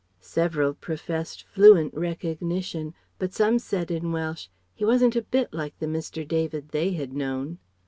Several professed fluent recognition but some said in Welsh "he wasn't a bit like the Mr. David they had known."